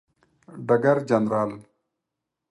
ډګر جنرال